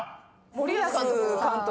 森保監督。